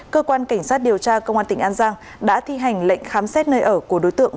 cơ quan cảnh sát điều tra công an tỉnh an giang đã thi hành lệnh khám xét nơi ở của đối tượng